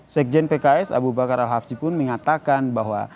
sekjen pks abu bakar al habsyi pun mengatakan bahwa